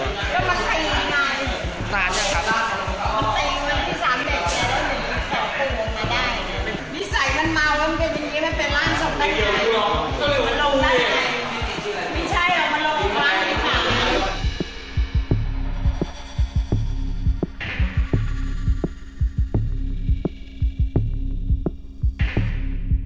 อัศวินไทย